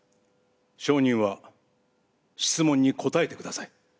証人は質問に答えてください。